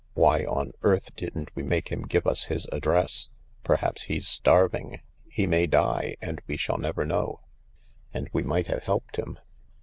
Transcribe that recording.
Why on earth didn't we make him give us his address ? Perhaps he's starving. He may die — and we shall never know — and we might have helped him.